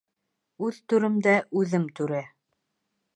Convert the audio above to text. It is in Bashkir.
Үҙ түремдә үҙем түрә.